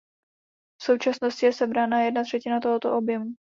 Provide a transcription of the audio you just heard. V současnosti je sebrána jedna třetina tohoto objemu.